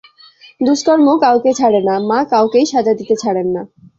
দুষ্কর্ম কাউকে ছাড়ে না, মা কাউকেই সাজা দিতে ছাড়েন না।